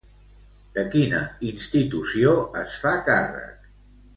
De quina institució es fa càrrec?